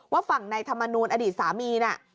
ว่าฝั่งนายธรรมนุนอดีตสามีเนี่ย